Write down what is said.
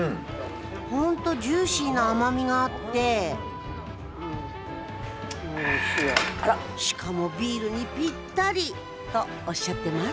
ホントジューシーな甘みがあってしかもビールにぴったり！とおっしゃってます